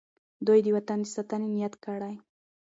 دوی د وطن د ساتنې نیت کړی.